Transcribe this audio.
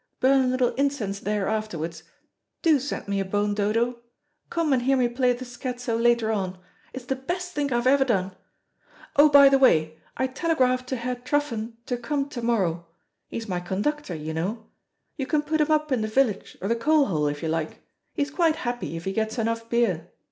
Burn a little incense there afterwards. Do send me a bone, Dodo. Come and hear me play the scherzo later on. It's the best thing I've ever done. Oh, by the way, I telegraphed to Herr Truffen to come to morrow he's my conductor, you know. You can put him up in the village or the coal hole, if you like. He's quite happy if he gets enough beer.